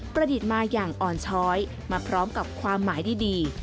ประดิษฐ์มาอย่างอ่อนช้อยมาพร้อมกับความหมายดี